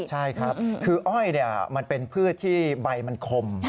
ใช่ครับคืออ้อยมันเป็นพืชที่ใบมันคม